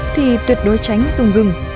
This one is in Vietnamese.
thì tuyệt đối tránh dùng gừng